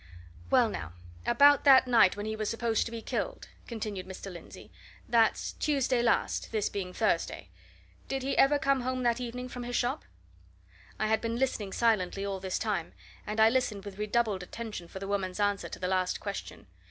"Well, now, about that night when he was supposed to be killed," continued Mr. Lindsey; "that's Tuesday last this being Thursday. Did he ever come home that evening from his shop?" I had been listening silently all this time, and I listened with redoubled attention for the woman's answer to the last question.